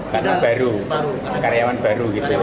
karena baru karyawan baru gitu